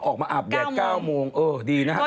ออกมาอาบแยก๙โมงเออดีนะครับ